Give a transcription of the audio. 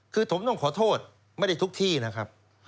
คือผมต้องขอโทษไม่ได้ทุกที่นะครับ